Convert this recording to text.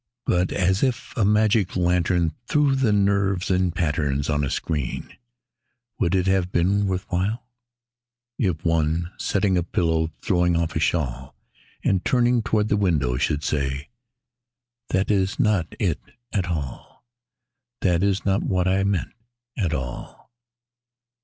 But as if a magic lantern threw the nerves in patterns on a screen: Would it have been worth while If one, settling a pillow or throwing off a shawl, And turning toward the window, should say: "That is not it at all, That is not what I meant, at all."